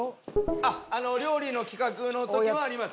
料理の企画の時もあります。